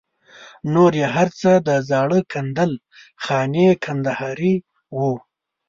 نور یې هر څه د زاړه کندل خاني کندهاري وو.